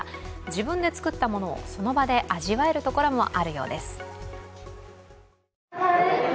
自分で作ったものをその場で味わえるところもあるようです。